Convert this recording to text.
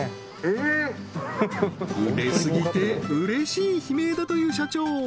売れすぎてうれしい悲鳴だという社長